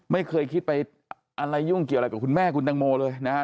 ไม่เคยคิดไปอะไรยุ่งเกี่ยวอะไรกับคุณแม่คุณตังโมเลยนะฮะ